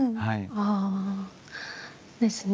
あ。ですね。